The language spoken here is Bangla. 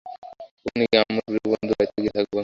ওখানে গিয়ে আম্মুর প্রিয় বন্ধুর বাড়িতে গিয়ে থাকবো।